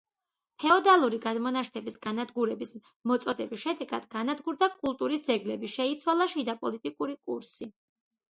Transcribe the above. ფეოდალური გადმონაშთების განადგურების მოწოდების შედეგად განადგურდა კულტურის ძეგლები, შეიცვალა შიდაპოლიტიკური კურსი.